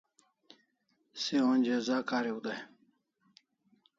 Se onja za kariu dai